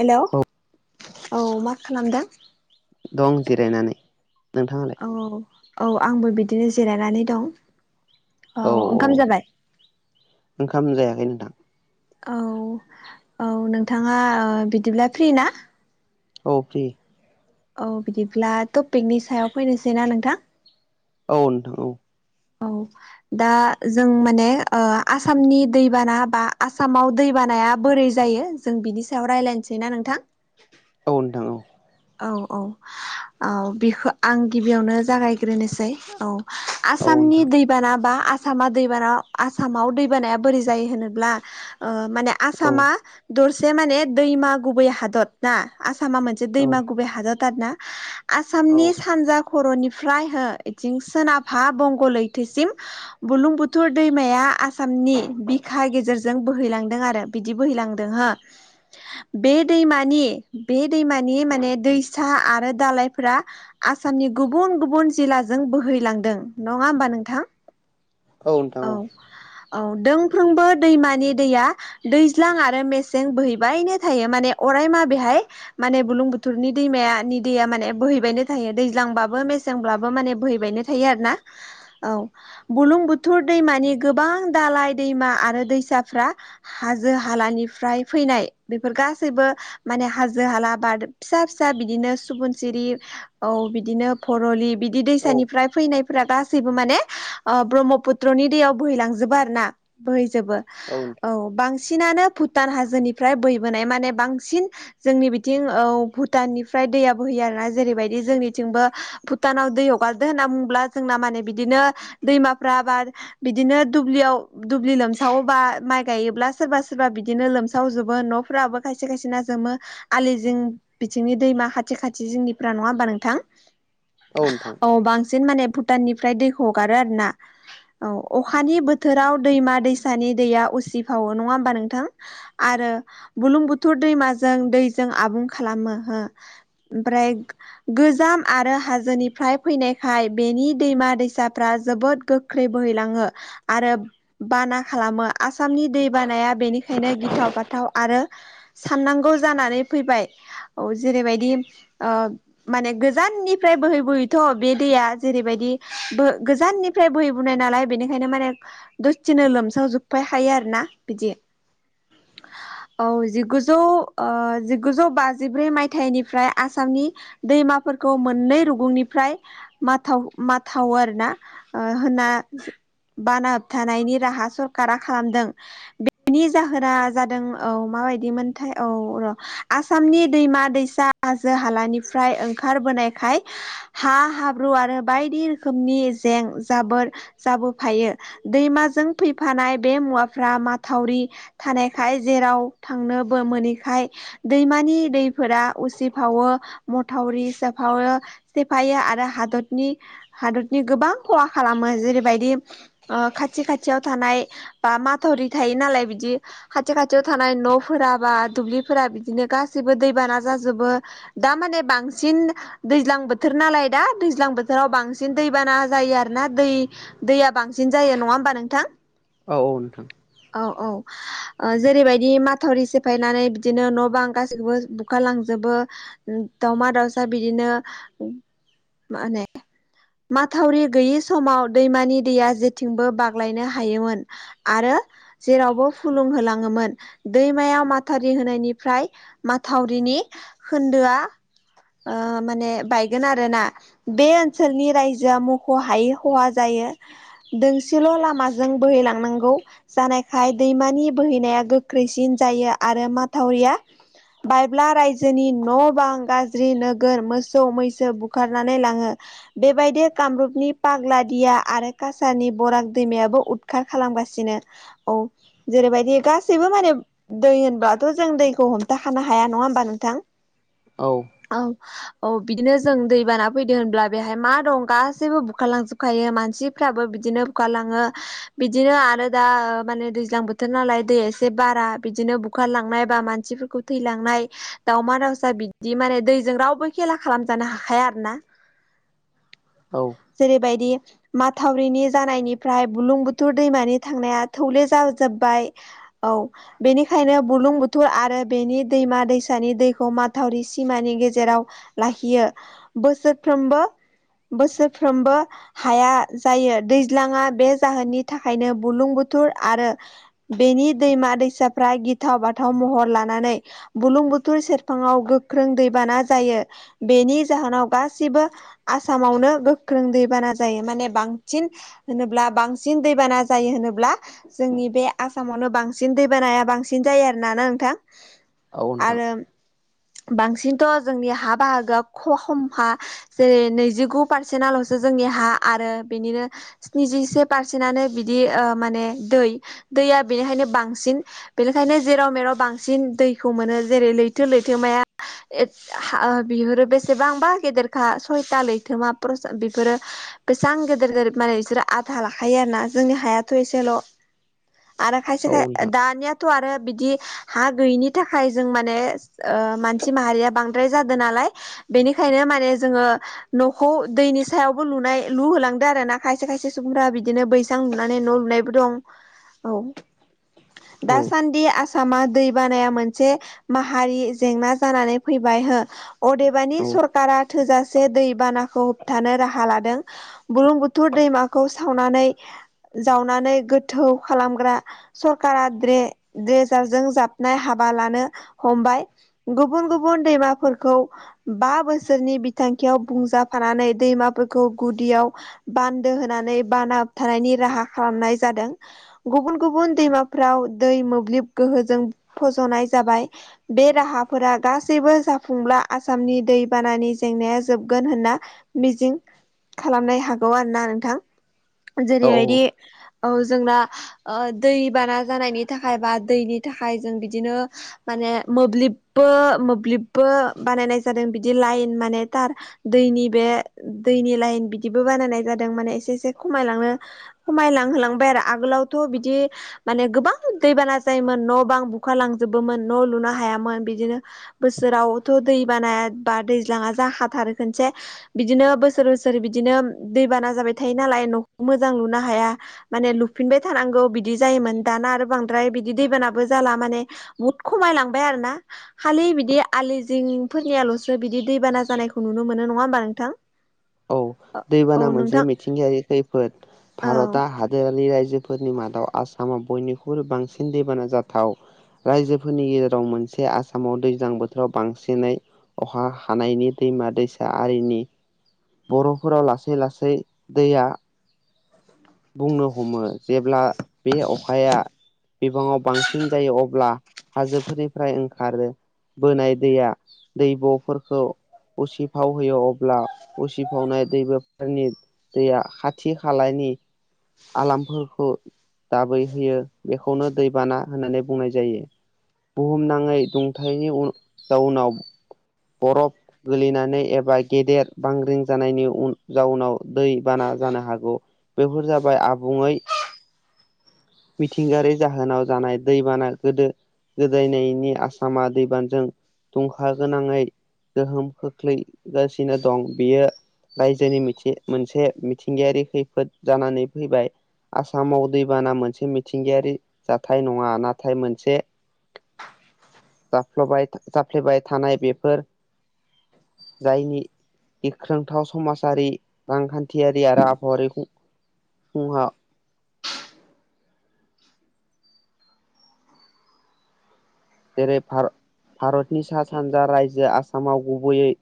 हेल' औ मा खालामदों दं जिरायनानै नोंथाङालाय औ औ आंबो बिदिनो जिरायनानै दं औ ओंखाम जाबाय ओंखाम जायाखै नोंथां औ औ नोंथाङा बिदिब्ला फ्रि ना औ फ्रि औ बिदिब्ला टपिकनि सायाव फैनोसैना नोंथां औ नोंथां औ औ दा जों माने आसामनि दैबाना बा आसामाव दैबानाया बोरै जायो जों बिनि सायाव रायज्लायनोसै ना नोंथां औ नोंथां औ औ औ औ बेखौ आं गिबियावनो जागायग्रोनोसै औ आसामनि दै दैबाना बा आसामा दैबाना आसामाव दैबानाया बोरै जायो होनोब्ला माने औ नोंथां औ आसामा दरसे माने दैमा गुबै हादर ना आसामा मोनसे दैमा गुबै हादरथार ना औ आसामनि सानजा खर'निफ्राय हो बिथिं सोनाबहा बंग' लैथोसिम बुरलुं बुथुर दैमाया आसामनि बिखा गेजेरजों बोहैलांदों आरो बिदि बोहैलांदों हो बे दैमानि बे दैमानि माने दैसा आरो दालइफोरा आसामनि गुबुन गुबुन जिल्लाजों बोहैलांदों नङा होमबा नोंथां औ नोंथां औ औ दोंफ्रोमबो दैमानि दैया दैज्लां आरो मेसें बोहैबायनो थायो माने अरायमा बेहाय माने बुरलुं बुथुरनि दैमानि दैया माने बोहैबायनो थायो दैज्लांबाबो मेसेंब्लाबो माने बोहैबायनो थायो थायो आरो ना औ बुरलुं बुथुर बुथुर दैमानि गोबां दालाय दैमा आरो दैसाफ्रा हाजो हालानिफ्राय फैनाय बेफोर गासैबो माने हाजो हाला बा फिसा फिसा बिदिनो सुबुन सिरि औ बिदिनो परलि बिदि औ दैसानिफ्राय फैनायफोरा गासैबो माने ब्रह्मपुत्र दैयाव बोहैलांजोबो आरोना बोहैजोबो औ बांसिन बांसिनानो भुटान हाजोनिफ्राय बोहैबोनाय माने बांसिन जोंनि बिथिं औ भुटाननिफ्राय दैयाबो बोहैयो आरोना जेरैबायदि जोंनिथिंबो भुटानाव दै हगारदो होनना बुङोब्ला जोंना माने बिदिनो दैमाफ्रा बा बिदिनो दुब्लियाव दुब्लि लोमसावोबा माइ गायोब्ला सोरबा सोरबा बिदिनो लोमसावजोबो न' फोराबो खायसे खायसे ना जोमो आलि जिं बिथिंनि दैमा खाथि खाथि जिंनिफ्रा नङा होनबा नोंथां औ नोंथां औ औ नोंथां बांसिन माने भुटाननिफ्राय दैखौ हगारो आरो ना औ अखानि बोथोराव दैमा दैसानि दैया उसिफावो नङा होमबा नोंथां आरो बुरलुं बुथोर दैमाजों दैजों आबुं खालामो हो ओमफ्राय गोजाम आरो हाजोनिफ्राय फैनायखाय बेनि दैमा दैसाफ्रा जोबोद गोख्रों बोहैलाङो आरो बाना खालामो आसामनि दै बानाया बेनिखायनो गिथाव बाथाव आरो साननांगौ जानानै फैबाय औ जेरैबायदि माने गोजाननिफ्राय बोहै बोहैथ' बे दैया जेरैबायदि बह गोजाननिफ्राय बोहैबो बुंनाय नालाय बेनिखायनो माने दसिनो लोमसावजोबबाय हायो आरो ना बिदि [unintelligible] औ जिगुजौ जिगुजौ बाजिब्रै मायथाइनिफ्राय आसामनि दैमाफोरखौ मोननै रुगुंनिफ्राय माथाव माथावो आरोना होनना बाना होबथानायनि राहा सरखारारा खालामदों बेनि जाहोरा जादों औ माबायदि मोनथाय औ र' आसामनि दैमा दैसा हाजो हालानिफ्राय ओंखारबोनायखाय हा हाब्रु आरो बायदि रोखोमनि जें जाबोर जाबोफायो दैमाजों फैफानाय बे मुवाफ्रा माथावरि थानायखाय जेराव थांनोबो मोनैखाय दैमानि दैफोरा उसिफावो मथावरि सफावो सेफायो आरो हादरनि हादरनि गोबां खहा खालामो जेरैबायदि खाथि खाथियाव थानाय बा माथरि थायो नालाय बिदि खाथि खाथियाव थानाय न'फोरा बा दुब्लिफोरा बिदिनो गासैबो दैबाना जाजोबो दा माने बांसिन दैज्लां बोथोर नालाय दा दैज्लां बोथोराव बांसिन दैबाना जायो आरोोना दै दैया बांसिन जायो नङा होमबा नोंथां औ औ नोंथां औ औ जेरैबायदि माथावरि सेफायनानै बिदिनो न' बां गासैखौबो बुखारलांजोबो दमा दसा बिदिनो माने माथावरि गैयि समाव दैमानि दैया जेथिंबो बाग्लायनो हायोमोन आरो जेरावबो फुलुं होलाङोमोन दैमायाव माथारि होनायनिफ्राय माथावरिनि खोन्दोआ माने बायगोन आरोना बे ओनसोलनि रायजोआ मख' हायै खहा जायो दोंसेल' लामाजों बोहैलांनांगौ जानायखाय दैमानि बोहैनाया गोख्रैसिन जायो आरो माथावरिया बायब्ला रायजोनि न' बां गाज्रि नोगोर मोसौ मैसो बुखारनानै लाङो बेबायदि कामरुपनि पाग्लादिया आरो कासारनि बराग दैमायाबो उदखार खालामगासिनो औ जेरैबायदि गासैबो माने दै होनबाथ' जों दैखौ हमथाखानो हाया नङा होमबा नोंथां औ औ औ बिदिनो जों दैबाना फैदो होनब्ला बेहाय मा दं गासैबो बुखारलांजोबखायो मानसि फाबो बिदिनो खुखालाङो बिदिनो आरो दा माने दैज्लां बोथोर नालाय दैया एसे बारा बिदिनो बुखारलांनाय बा मानसिफोरखौ थैलांनाय दाावमा दाावसा बिदि माने दैजों रावबो खेला खालामजानो हाखाया आरो ना [unintelligible] औ जेरैबायदि माथावरिनि जानायनिफ्राय बुलुंबुथुर दैमानि थांनाया थौले जाजोबबाय औ बेनिखायनो बुलुं बुथुर आरो बेनि दैमा दैसानि दैखौ माथावरि सिमानि गेजेराव लाखियो बोसोरफ्रोमबो बोसोरफ्रोमबो हाया जायो दैज्लाङा बे जाहोननि थाखायनो बुलुं बुथुर आरो बेनि दैमा दैसाफ्रा गिथाव बाथाव महर लानानै बुलुं बुथुर सेरफाङाव गोख्रों दैबाना जायो बेनि जाहोनाव गासिबो आसामावनो गोख्रों दैबाना जायो माने बांसिन होनोब्ला बांसिन दैबाना जायो होनोब्ला जोंनि बे आसामावनो बांसिन दैबानाया बांसिन जायो आरो ना ना नोंथां। आरो बांसिनथ' जोंनि हा बाहागोआ ख खमखा जेरै नैजिगु पारसेन्ट आल'सो जोंनि हा आरो बेनिनो स्निजिसे पारसेन्टनो बिदि ओ माने दै दैया बेनिखायनो बांसिन बेनिखायनो जेराव मेराव बांसिन दैखौ मोनो जेरै लैथो लैथोमाया ओ बिहो बेसेबांबा गेदेरखा सयथा लैथोमा बेफोरो बेसां गेदेर गेदेर माने बिसोरो आधा लाखायो आरोना। जोंनि हायाथ' एसेल' आरो खायसे खाय दानियाथ' आरो बिदि हा गैयिनि थाखाय जों माने ओ मानसि माहारिया बांद्राय जादों नालाय बेनिखायनो माने जोंङो न'खौ दैनि सायावबो लुनाय लुहोलांदो आरो ना खायसे खायसे सुबुंफोरा बिदिनो बै सां लुनानै न' लुनायबो दं औ दासान्दि आसाम आसामा दै बानाया मोनसे माहारि जेंना जानानै फैबाय हो अदेबानि औ सरकारा थोजासे दैबानाखौ होबथानो राहा लादों। बुलुं बुथुर दैमाखौ सावनानै जावनानै गोथौ खालामग्रा सरकारा रेजारजों जाबनाय हाबा लानो हमबाय। गुबुन गुबुन दैमाफोरखौ बा बोसोरनि बिथांखियाव बुंजाफानानै दैमाफोरखौ गुदियाव बान्दो होनानै बानाब थानायनि राहा खालामनाय जादों गुबुन गुबुन दैमाफ्राव दै मोब्लिब गोहोजों फज'नाय जाबाय। बे राहाफोरा गासैबो जाफुंब्ला आसामनि दैबानानि जेंनाया जोबगोन होनना मिजिं खालामनो हागौ आरोना नोंथां औ जेरै औ जोंना ओ दै बाना जानायनि थाखाय बा दैनि थाखाय जों बिदिनो माने मोब्लिबबो मोब्लिबबो बानायनाय जादों बिदि लाइन माने थार दैनि बे दैनि लाइन बिदिबो बानायनाय जादों माने एसे एसे खमायलांनो खमायलांहोलांबाय आरो आगोलावथ' बिदि माने गोबां दैबाना जायोमोन न' बां बुखार लांजोबोमोन न' लुनो हायामोन बिदिनो बोसोरावथ' दै बानाया बा दैज्लाङा जों हाथारो खोनसे बिदिनो बोसोर बोसोर बिदिनो दैबाना जाबाय थायो नालाय न'खौ मोजां लुनो ह हाया माने लुफिनबाय थानांगौ बिदि जायोमोन दाना आरो बांद्राय बिदि दैबानाबो जाला माने बुद खमायलांबाय आरो ना। खालि बिदि आलि जिंफोरनियाल'सो बिदि दैबाना जानायखौ नुनो मोनो नङा होमबा नोंथां। औ [inaudible] औ दैबाना मोनसे नोंथां मिथिंगायारि खैफोद औ भारतआ हादोरारि राय्जो फोरनि मादाव आसामाव बयनिख्रुइबो बांसिन दैबाना जाथाव। राय्जोफोरनि गेजेराव मोनसे आसामाव दैज्लां बोथोराव बांसिनै अखा हानायनि दैमा दैसा आरिनि बर'फोराव लासै लासै दैया बुंनो हमो जेब्ला बे अखाया बिबाङाव बांसिन जायो अब्ला हाजोफोरनिफ्राय ओंखारो बोनाय दैया दैब'फोरखौ उसिफाव होयो अब्ला उसिफावनाय दैबोफोरनि दैया खाथि खालायनि आलामफोरखो दाबै होयो बेखौनो दैबाना होननानै बुंनाय जायो। बुहुमनाङै दुंथायनि उन जाउनाव बरफ गोलैनानै एबा गेदेर बांग्रिं जानायनि उन जाउनाव दै बाना जानो हागौ। बेफोर जाबाय आबुङै मिथिंगायारि जाहोनाव जानाय दैबाना गोदो गोदायनायनि आसामा दैबानजों दुंखा गोनाङै गोहोम खोख्लैगासिनो दं बियो रायजोनि मोनसे मोनसे मिथिंगायारि खैफोद जानानै फैबाय आसामाव दैबाना मोनसे मिथिंगायारि जाथाय नङा नाथाय मोनसे जाफ्लबाय जाफ्लेबाय थानाय बेफोर जायनि गिख्रोंथाव समाजारि रांखान्थियारि आरो आबहावारिखौ खुंहा जेरै भार' भारतनि सा सानजा रायजोआ आसामाव गुबैयै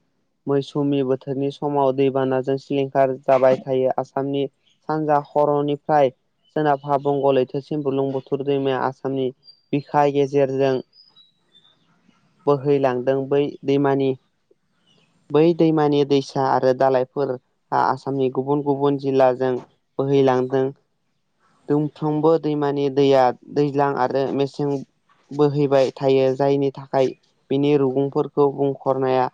मैसुमि बोथोरनि समाव दैबानाजों सिलिंखार जाबाय थायो आसामनि सानजा खर'निफ्राय सोनाबहा बंग' लैथोसिम बुलुंबुथुर दैमाया आसामनि बिखा गेजेरजों बोहैलांदों बै दैमानि बै दैमानि दैसा आरो दालायफोर आ आसामनि गुबुन गुबुन जिल्लाजों बोहैलांदों। दुमफ्रोमबो दैमानि दैया दैज्लां आरो मेसें बोहै बाय थायो जायनि थाखाय बिनि रुगुंफोरखौ बुंखरनाया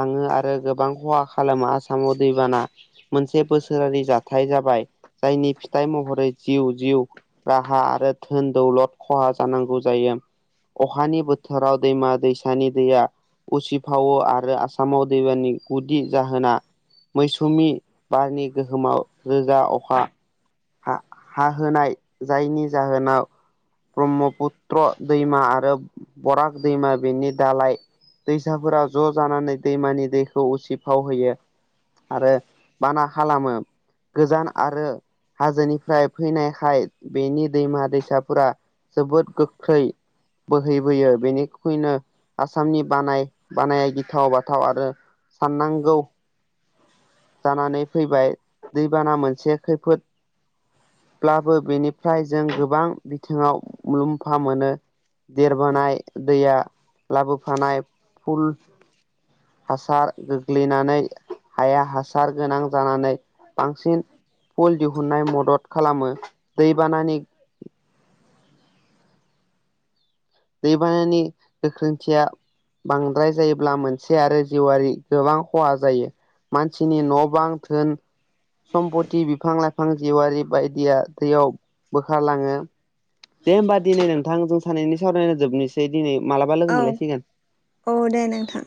लाङो आरो गोबां खहा खालामो आसामाव दैबाना मोनसे बोसोरारि जाथाय जाबाय जायनि फिथाइ महरै जिउ जिउ राहा आरो धोन दौलद खहा जानांगौ जायो। अखानि बोथोराव दैमा दैसानि दैया उसिफावो आरो आसामाव दैबानि गुदि जाहोना मैसुमि बारनि गोहोमाव रोजा अखा हा हा होनाय जायनि जाहोनाव ब्रह्मपुत्र दैमा आरो बराग दैमा बेनि दालाय दैसाफोरा ज' जानानै दैमानि दैखौ उसिफाव होयो। आरो बाना खालामो गोजान आरो हाजोनिफ्राय फैनायखाय बेनि दैमा दैसाफोरा जोबोद गोख्रै बोहैबोयो बेनिखुयनो आसामनि बानाय बानाया गिथाव बाथाव आरो साननांगौ जानानै फैबाय दैबाना मोनसे खैफोद ब्लाबो बेनिफ्राय जों गोबां बिथिङाव मुलाम्फा मोनो। देरबोनाय दैया लाबोफानाय फुल हासार गोग्लैनानै हाया हास सार गोनां जानानै बांसिन फल दिहुन्नाय मदद खालामो दैबानानि दैबानानि गोख्रोंथिया बांद्राय जायोब्ला मोनसे आरो जिउआरि गोबां खहा जायो। मानसिनि न' बां थोन सम्पथि बिफां लाइफां जिउआरि बायदिया दैयाव बोखारलाङो। दे होमबा दिनै नोंथां जों सानैनि सावरायनो जोबनोसै दिनै मालाबा औ लोगो मोनलायसिगोन। औ दे नोंथां।